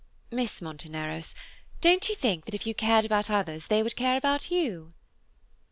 Miss Monteneros, don't you think that if you cared about others they would care about you?"